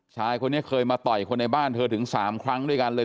ชายคนนี้เคยมาต่อยคนในบ้านเธอถึง๓ครั้งด้วยกันเลย